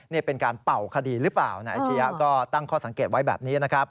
นี่เป็นการเป่าคดีหรือเปล่านายอาชียะก็ตั้งข้อสังเกตไว้แบบนี้นะครับ